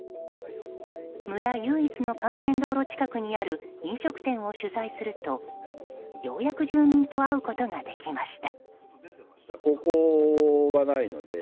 村唯一の幹線道路近くにある飲食店を取材するとようやく住民と会うことができました。